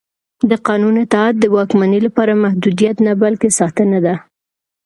د قانون اطاعت د واکمنۍ لپاره محدودیت نه بلکې ساتنه ده